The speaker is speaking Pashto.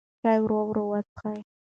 چای ورو ورو وڅښه.